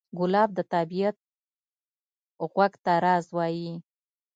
ګلاب د طبیعت غوږ ته راز وایي.